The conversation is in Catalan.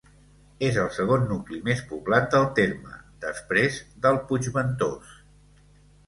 És el segon nucli més poblat del terme, després del Puigventós.